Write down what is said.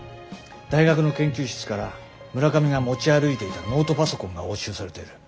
大学の研究室から村上が持ち歩いていたノートパソコンが押収されてる。